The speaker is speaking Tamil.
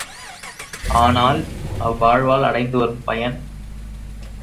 ஆனால், அவ்வாழ்வால் அடைந்துவரும் பயன்...?